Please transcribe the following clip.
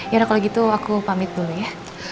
yaudah kalau gitu aku pamit dulu ya